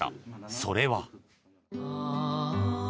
それは。